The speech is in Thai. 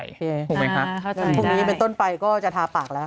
ถูกไหมครับถูกได้พวกนี้เป็นต้นไปก็จะทาปากแล้ว